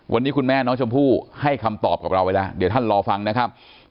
วันนี้คุณแม่น้องชมพู่ให้คำตอบกับเราไว้แล้วเดี๋ยวท่านรอฟังนะครับ